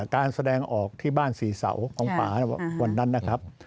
การแสดงออกที่บ้านสี่เสาของป่าวันนั้นนะครับ